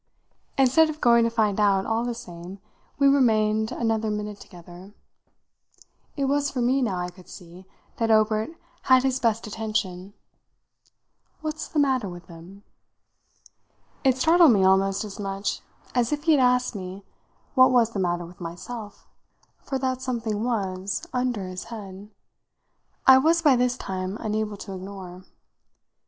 Instead of going to find out, all the same, we remained another minute together. It was for me, now, I could see, that Obert had his best attention. "What's the matter with them?" It startled me almost as much as if he had asked me what was the matter with myself for that something was, under this head, I was by this time unable to ignore.